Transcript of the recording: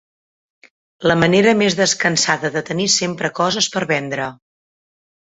La manera més descansada de tenir sempre coses per vendre.